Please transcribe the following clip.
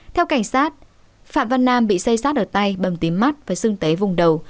theo cảnh sát phạm văn nam bị xây sát ở tay bầm tím mắt và xưng tế vùng đầu